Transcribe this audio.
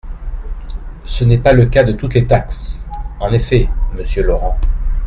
Ce n’est pas le cas de toutes les taxes ! En effet, monsieur Laurent.